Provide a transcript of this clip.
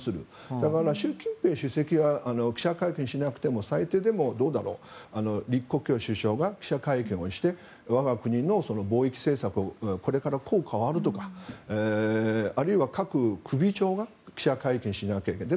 だから習近平主席は記者会見しなくても最低でも李克強首相が記者会見をして我が国の防疫政策をこれからこう変わるとかあるいは各首長が記者会見をしないといけない。